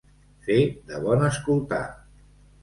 Fer de bon escoltar.